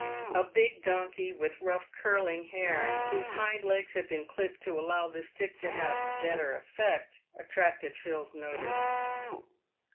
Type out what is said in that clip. A big donkey, with rough, curling hair, whose hind legs had been clipped to allow the stick to have a better effect, attracted Phil's notice.